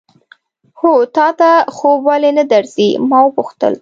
هو، تا ته خوب ولې نه درځي؟ ما وپوښتل.